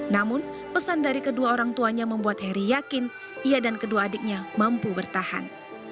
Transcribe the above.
namun pesan dari kedua orang tuanya membuat heri yakin ia dan kedua adiknya mampu bertahan